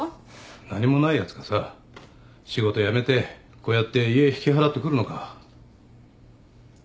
何もないやつがさ仕事辞めてこうやって家引き払ってくるのか。